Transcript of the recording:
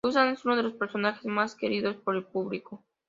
Susan es uno de los personajes más queridos por el público.